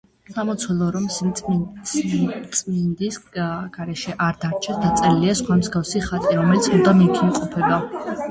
სამლოცველო რომ სიწმინდის გარეშე არ დარჩეს, დაწერილია სხვა მსგავსი ხატი, რომელიც მუდამ იქ იმყოფება.